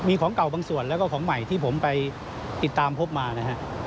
มีของเก่าบางส่วนแล้วก็ของใหม่ที่ผมไปติดตามพบมานะฮะ